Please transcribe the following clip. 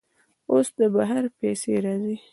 اوس له بهر پیسې راځي.